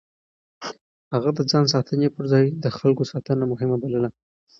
هغه د ځان ساتنې پر ځای د خلکو ساتنه مهمه بلله.